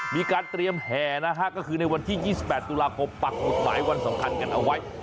มีการเตรียมแห่นะฮะก็คือในวันที่๒๘ตุลาคมปักหมุดหมายวันสำคัญกันเอาไว้